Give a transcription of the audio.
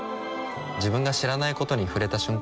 自分が知らないことに触れた瞬間